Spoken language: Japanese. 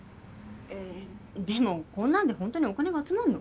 えでもこんなんでホントにお金が集まるの？